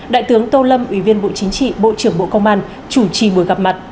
đại tướng tô lâm ủy viên bộ chính trị bộ trưởng bộ công an chủ trì buổi gặp mặt